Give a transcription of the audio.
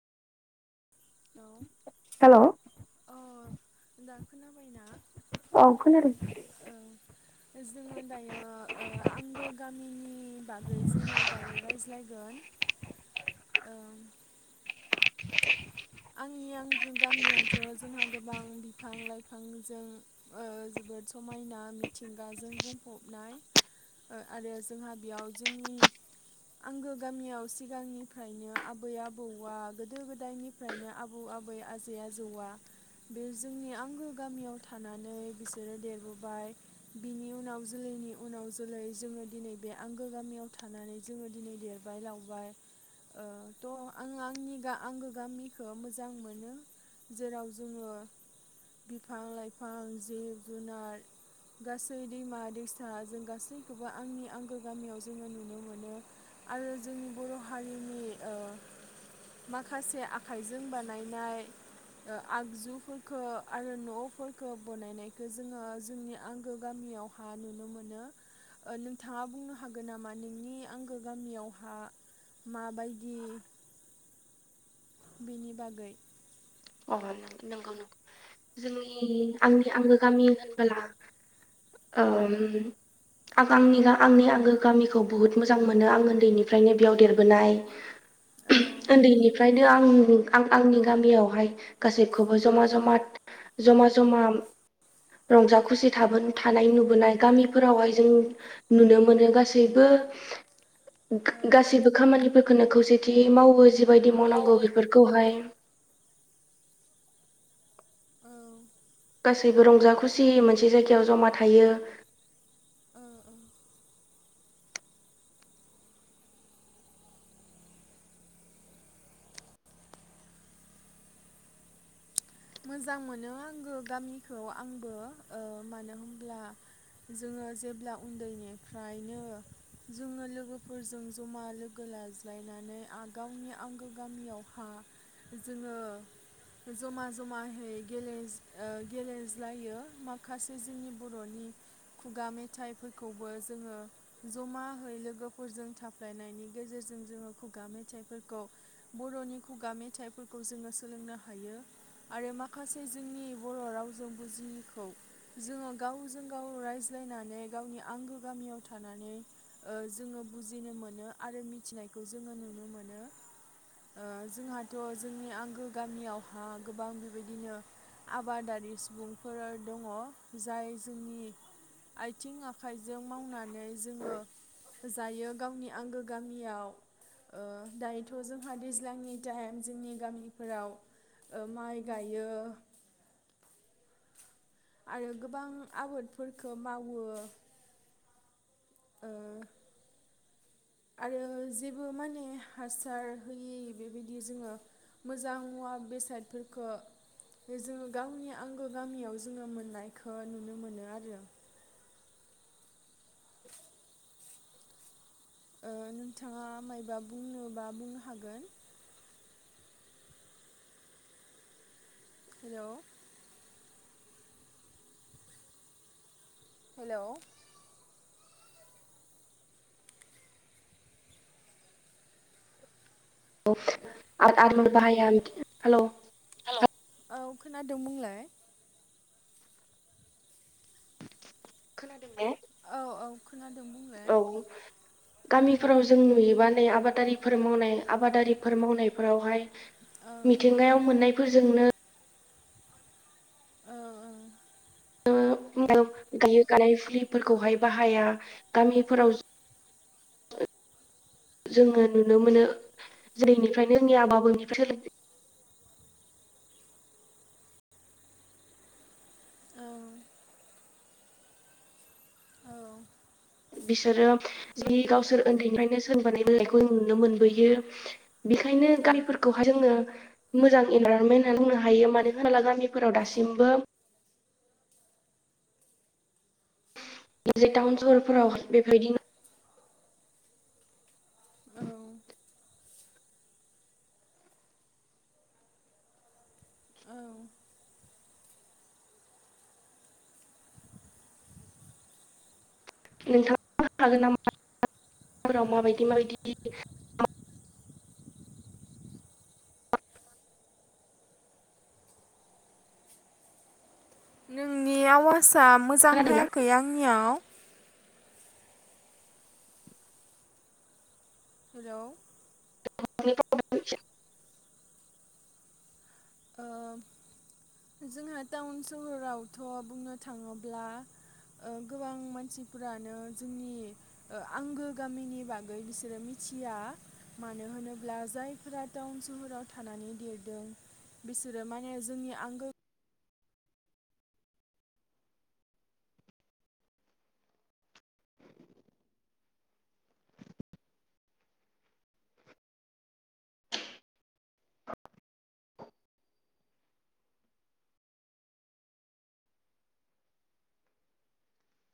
Hello hello अ दा खोनाबायना औ खोनादों। ओं जोङो दायो आंगो गामिनि बागै जोङो दायो रायज्लायगोन ओं आंनि आं गामियाथ' जोंहा गोबां बिफां लाइफांजों ओ जोबोद समायना मिथिंगाजों बुंफबनाय ओ आरो जोंहा बेयाव जोंनि आंगो गामियाव सिगांनिफ्रायनो आबै आबौआ गोदो गोदायनि फ्रायनो आबौ आबै आजै आजौआ बे जोंनि आंगो गामियाव थानानै बिसोरो देरबोबाय बिनि उनाव जोलैनि उनाव जोलै जोङो दिनै बे आंगो गामियाव थानानै जोङो दिनै देरबाय लावबाय ओ थ' आङो आंनि गा-आंगो गामि खौ मोजां मोनो जेराव जोङो बिफां लाइफां जिब जुनार गासै दैमा दैसा जों गासैखौबो आंनि आंगो गामियाव जोङो नुनो मोनो आरो जोंनि बर' हारिनि ओ माखासे आ आखायजों बानायनाय ओ आगजुफोरखोआरो न'फोरखौ बनायनायखो जोङो जोंनि आंगो गामियावहा नुनो मोनो ओ नोंथाङा बुंनो हागोन नामा नोंनि आंगो गामियावहा माबायदि बिनि बागै अ नंगौ जोंनि आंनि आंगो गामि होनबोला ओ आं आंनि आंनि आंगो गामिखौ बुहुत मोजां मोनो आं उन्दैनिफ्रायनो बेयाव देरबोनाय औ उन्दैनिफ्राय बि आं आं आंनि गामियावहाय गासैखौबो जमा-जमा-जमा-जमा रंजा खुसि थाबोन थानाय नुबोनाय गामिफोरावहाय जों नुनो मोनो गासैबो औ गासैबो खामानिफोरखौनो खौसेथि मावो बेबायदि मावनांगौ मावो बेफोरखौहाय औ [inaudible] गासैबो रंजा खुसियै मोनसे जायगायाव जमा थायो। औ औ मोजां मोनो आंगो गामिखौ आंबो ओ मानो होनब्ला जोङो जेब्ला उन्दैनिफ्रायनो जोङो लोगोफोरजों जमा लोगो लाज्लायनानै आं गावनि आंगो गामियावहा जोङो जमा जमायै गेल गेलेज्लायो माखासे जोंनि बर'नि खुगा मेथाइफोरखौबो जोङो जमायै लोगोफोरजों थाफ्लायनायनि गेजेरजों जोङो खुगा मेथाइफोरखौ बर'नि खुगा मेथाइफोरखौ जोङो सोलोंनो हायो। आरो माखासे जोंनि बर' रावजों बुजियैखौ जोङो गावजों गाव रायज्लायनानै गावनि आंगो गामियाव थानानै ओ जोङो बुजिनो मोनो आरो मिथिनायखौ जोङो नुनो मोनो ओ जोंहाथ' जोंनि आंगो गामियावहा गोबां बेबायदिनो आबादारि सुबुंफोर दङ जाय जोंनि आइथिं आखाइजों मावनानै जोङो जायो गावनि आंगो गामियाव ओ दायोथ' जोंहा दैज्लांनि टाइम जोंनि गामिफोराव ओ माइ गायो। आरो गोबां आबादफोरखौ मावो। ओ आरो जेबो माने हासार होयि बेबायदि जोङो मोजां मुवा बेसादफोरखौ जोङो गावनि आंगो गामियाव जोङो मोननायखौ नुनो मोनो आरो। ओ नोंथाङा मायबा बुंनोबा बुंनो हागोन हेल' हेल' अ आ आरो [unintelligible] औ बाहाय आ हेल' [unintelligible] औ खोनादों बुंलाय खोनादों ने औ औ खोना औ गामिफोराव जों नुयोबानो आबादारिफोर मावनाय आबादारिफोर मावनायफोरावहाय औ मिथिंगायाव मोननायफोरजोंनो औ औ [unintelligible] गायो गानाय फुलिफोरखौहाय बाहाया गामिफोराव [unintelligible] जोङो नुनो मोनो जेरैनिफ्रायनो जोंनि आबौ आबैनिफ्राय [inaudible] औ बिसोरो जि गावसोर उन्दैनिफ्रायनो सोलोंबोनायखौ नुनो मोनबोयो। बेखायनो औ गानफोरखौहा जोंनो मोजां इनभारमेन्ट होननानै बुंनो हायो मानो होनोब्ला गामिफोराव दासिमबो जे टाउन सहरफोराव बेबायदिनो औ औ नोंथाङा हागोन नामा [unintelligible] माबायदि माबायदि नोंनियाव आवासा मोजां खोनादोंना? हायाखै आंनियाव हेलौ [unintelligible] ओ जोंहा टाउन सहरावथ' बुंनो थाङोब्ला ओ गोबां मानसिफोरानो जोंनि ओ आंगो गामिनि बागै बिसोरो मिथिया मानो होनोब्ला जायफोरा टाउन सहराव थानानै देरदों। बिसोरो माने जोंनि आंगो